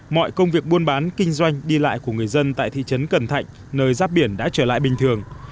mọi công việc buôn bán kinh doanh đi lại của người dân tại thị trấn cần thạnh nơi giáp biển đã trở lại bình thường